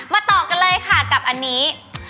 ต่อกันเลยค่ะกับอันนี้